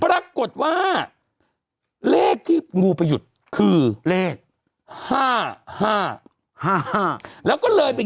ปรากฏว่าเลขที่งูไปหยุดคือเลขห้าห้าห้าห้าแล้วก็เลยเป็น